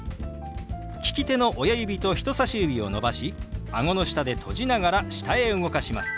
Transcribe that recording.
利き手の親指と人さし指を伸ばしあごの下で閉じながら下へ動かします。